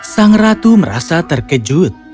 sang ratu merasa terkejut